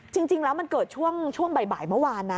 จริงแล้วมันเกิดช่วงบ่ายเมื่อวานนะ